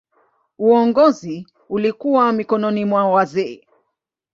Uongozi ulikuwa mikononi mwa wazee.